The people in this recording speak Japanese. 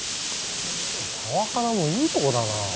パワハラもいいとこだなあ。